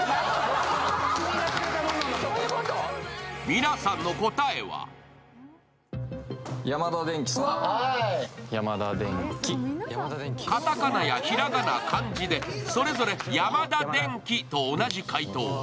皆さんの答えはかたかなやひらがな、漢字でそれぞれヤマダデンキと同じ回答。